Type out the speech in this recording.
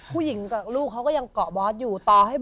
ผู้หญิงกับลูกเขาก็ยังเกาะบอสอยู่ต่อให้